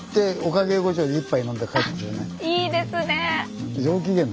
あっいいですね。